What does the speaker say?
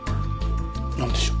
なんでしょう？